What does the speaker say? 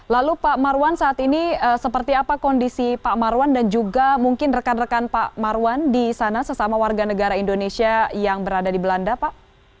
lalu pak marwan saat ini seperti apa kondisi pak marwan dan juga mungkin rekan rekan pak marwan di sana sesama warga negara indonesia yang berada di belanda pak